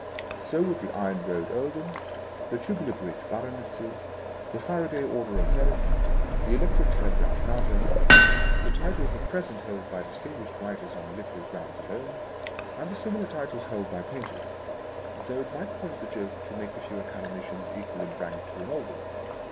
So would the Iron Road Earldom, the Tubular Bridge Baronetcy, the Faraday Order of Merit, the Electric Telegraph Garter, the titles at present held by distinguished writers on literary grounds alone, and the similar titles held by painters ;— though it might point the joke to make a few Academicians equal in rank to an aiderrnan.